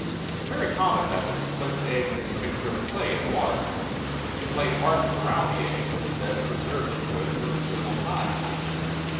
A very common method is to place the eggs in a mixture of clay and water; the clay hardens around the eggs, and is said to preserve them good for a considerable time.